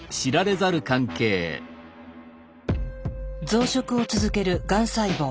増殖を続けるがん細胞。